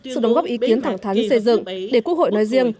sự đóng góp ý kiến thẳng thắn xây dựng để quốc hội nói riêng